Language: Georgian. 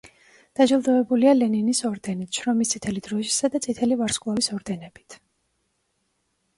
დაჯილდოებულია ლენინის ორდენით, შრომის წითელი დროშისა და წითელი ვარსკვლავის ორდენებით.